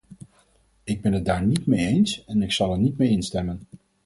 Ik ben het daar niet mee eens en ik zal er niet mee instemmen.